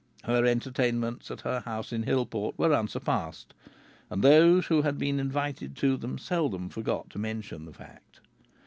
Her entertainments at her house at Hillport were unsurpassed, and those who had been invited to them seldom forgot to mention the fact.